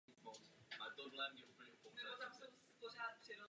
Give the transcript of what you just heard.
Hra se tím stala rychlejší a mnohonásobně vzrostla možnost udělovat míčku rotaci.